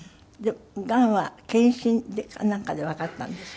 がんは検診かなんかでわかったんですか？